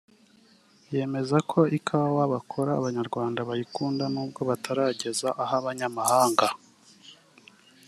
yemeza ko ikawa bakora Abanyarwanda bayikunda nubwo batarageza ahabanyamahanga